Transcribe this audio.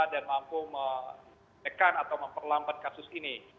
dan mampu menekan atau memperlambat kasus ini